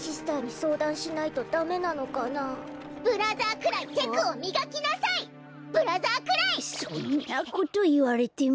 そんなこといわれても。